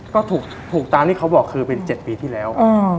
ก็ถูกตามที่เขาบอกคือเป็น๗ปีที่แล้ว